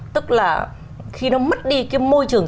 tức là khi nó mất đi cái môi trường